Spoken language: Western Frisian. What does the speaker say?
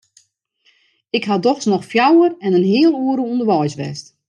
Ik ha dochs noch fjouwer en in heal oere ûnderweis west.